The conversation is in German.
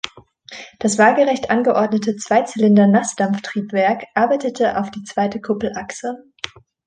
Das waagerecht angeordnete Zweizylinder-Nassdampftriebwerk arbeitete auf die zweite Kuppelachse.